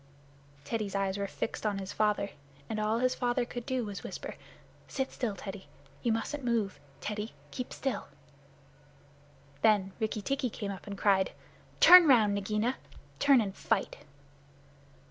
Teddy's eyes were fixed on his father, and all his father could do was to whisper, "Sit still, Teddy. You mustn't move. Teddy, keep still." Then Rikki tikki came up and cried, "Turn round, Nagaina. Turn and fight!"